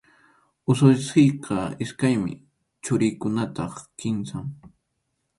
Ususiyqa iskaymi, churiykunataq kimsam.